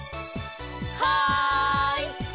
はい！